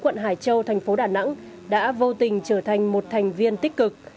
cũng hoàn thành vô tình trở thành một thành viên tích cực